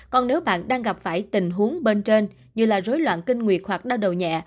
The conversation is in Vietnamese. còn nếu bạn đang gặp phải tình huống bên trên như là rối loạn kinh nguyệt hoặc đau đầu nhẹ